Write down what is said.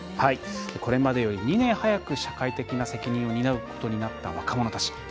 これまでより２年早く社会的な責任を担うことになった若者たち。